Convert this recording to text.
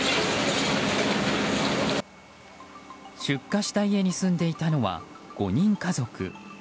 出火した家に住んでいたのは５人家族。